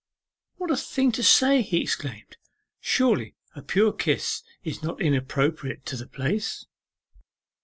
'What a thing to say!' he exclaimed; 'surely a pure kiss is not inappropriate to the place!